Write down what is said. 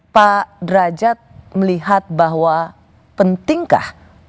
pak derajat melihat bahwa pentingkah